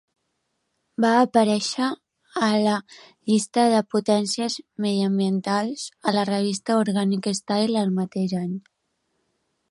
Va aparèixer a la "Llista de potències mediambientals" a la revista "Organic Style" el mateix any.